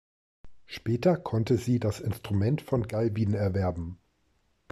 Später konnte sie das Instrument von Galvin erwerben.